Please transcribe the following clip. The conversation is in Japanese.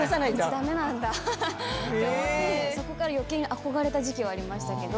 うち駄目なんだって思ってそこから余計に憧れた時期はありましたけど。